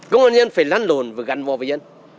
công an nhân phải lanh đồn và gắn vào với dân